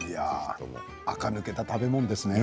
あか抜けた食べ物ですね。